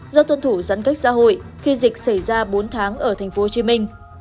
do tuân thủ giãn cách xã hội khi dịch xảy ra bốn tháng ở thành phố hồ chí minh